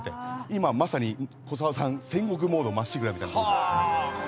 今、まさに古沢さん戦国モードまっしぐらみたいな。